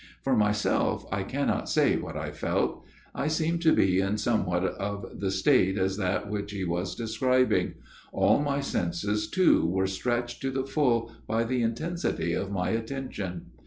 For myself I cannot say what I felt. I seemed to be in somewhat of the state as that which he was describing : all my senses too were stretched to the full by the intensity of my attention.